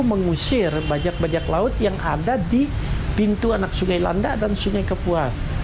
mengusir bajak bajak laut yang ada di pintu anak sungai landak dan sungai kepuas